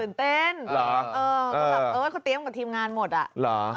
ตื่นเต้นเอิร์ทเขาเตรียมกับทีมงานหมดอ่ะ